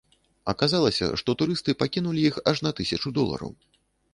Аказалася, што турысты пакінулі іх аж на тысячу долараў.